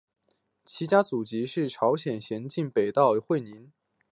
其家的祖籍是朝鲜咸镜北道会宁。